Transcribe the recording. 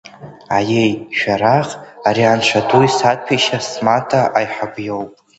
Аиеи, Шәарах, ари Анцәа ду исаҭәеишьаз смаҭа аиҳаб иоуп.